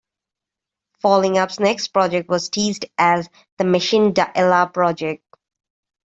Falling Up's next project was teased as "The Machine De Ella" project.